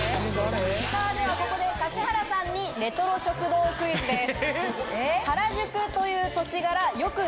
ではここで指原さんにレトロ食堂クイズです。